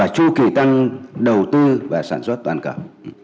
thủy tăng đầu tư và sản xuất toàn cầu